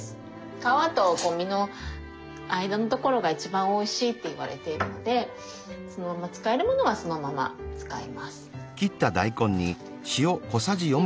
皮と身の間のところが一番おいしいっていわれているのでそのまま使えるものはそのまま使います。